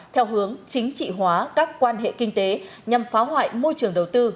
theo hướng chính trị hóa các quan hệ kinh tế nhằm phá hoại môi trường đầu tư